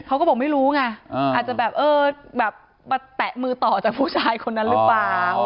เขาก็บอกไม่รู้ไงอาจจะแบบเออแบบมาแตะมือต่อจากผู้ชายคนนั้นหรือเปล่า